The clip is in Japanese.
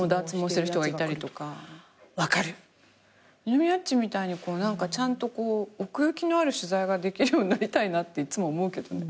二ノ宮っちみたいにちゃんとこう奥行きのある取材ができるようになりたいなっていつも思うけどね。